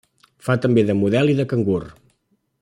Fa també de model i de cangur.